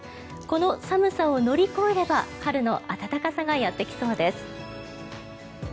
この寒さを乗り越えれば春の暖かさがやってきそうです。